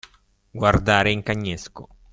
Guardare in cagnesco.